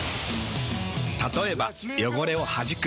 たとえば汚れをはじく。